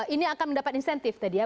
ini akan mendapat insentif tadi ya